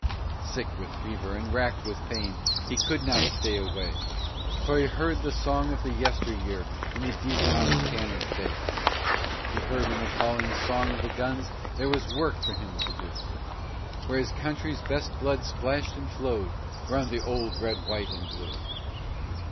Sick with fever and racked with pain, he could not stay away, For he heard the song of the yester year in the deep mouthed cannon's bay He heard in the calling song of the guns there was work for him to do, Where his country's best blood splashed and flowed 'round the old Red, White and Blue.